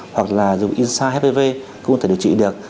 hoặc là dùng insight hpv cũng có thể điều trị được